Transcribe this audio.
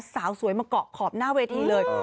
สาวสวยมาเกาะขอบหน้าเวทีเลย